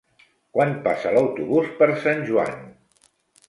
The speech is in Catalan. Quan passa l'autobús per Sant Joan?